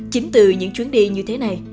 chính từ những chuyến đi như thế này